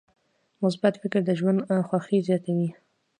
مثبت فکر د ژوند خوښي زیاتوي.